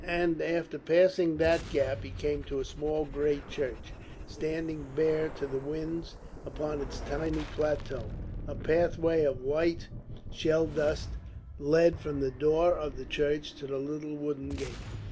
And after passing that gap he came to a small grey church, standing bare to the winds upon its tiny plateau. A pathway of white shell dust led from the door of the church to the little wooden gate.